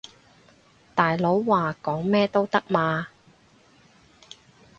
大佬話講咩都得嘛